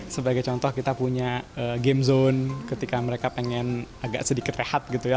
sebagai contoh kita punya game zone ketika mereka pengen agak sedikit rehat gitu ya